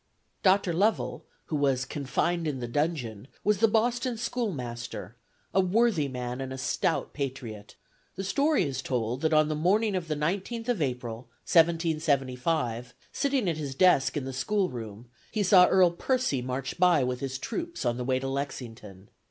Dr. Lovell, who was "confined in the dungeon," was the Boston schoolmaster, a worthy man, and a stout patriot. The story is told that on the morning of the 19th of April, 1775, sitting at his desk in the schoolroom, he saw Earl Percy march by with his troops, on the way to Lexington.